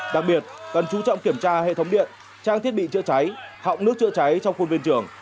đặc biệt cần chú trọng kiểm tra hệ thống điện trang thiết bị chữa cháy họng nước chữa cháy trong khuôn viên trường